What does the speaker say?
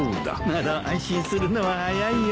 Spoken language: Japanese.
まだ安心するのは早いよ。